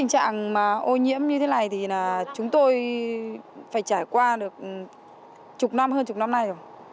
hầu như năm nào cũng có mà rất nhiều lần